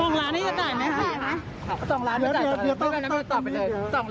๒ล้านนี่จะจ่ายไหมคะ